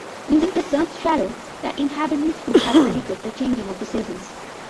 Using the sun's shadows, the inhabitants could have predicted the changing of the seasons.